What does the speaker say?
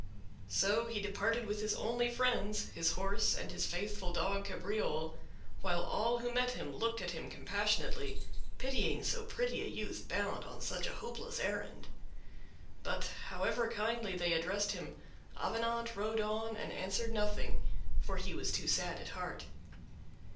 So he departed with his only friends—his horse and his faithful dog Cabriole; while all who met him looked at him compassionately, pitying so pretty a youth bound on such a hopeless errand. But, however kindly they addressed him, Avenant rode on and answered nothing, for he was too sad at heart.